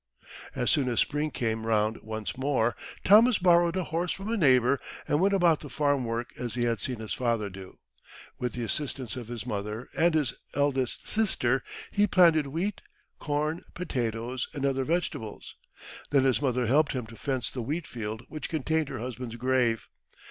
As soon as spring came round once more, Thomas borrowed a horse from a neighbour, and went about the farm work as he had seen his father do. With the assistance of his mother and, his eldest sister, he planted wheat, corn, potatoes, and other vegetables. Then his mother helped him to fence the wheatfield which contained her husband's grave.